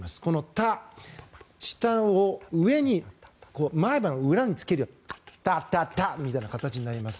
「タ」、舌を上に前歯の裏につけるようにタッタッタみたいな形になります。